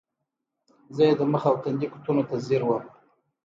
زۀ ئې د مخ او تندي کوتونو ته زیر ووم ـ